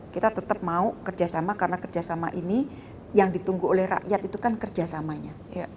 kita tetap mau kerjasama karena kerjasama ini yang ditunggu oleh rakyat itu kan kerjasamanya